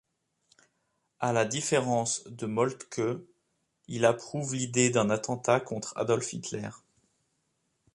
À la différence de Moltke, il approuve l'idée d'un attentat contre Adolf Hitler.